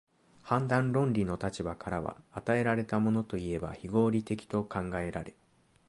判断論理の立場からは、与えられたものといえば非合理的と考えられ、